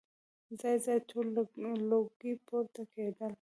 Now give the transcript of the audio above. ځای ځای تور لوګي پورته کېدل.